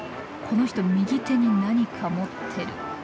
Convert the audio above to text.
この人右手に何か持ってる。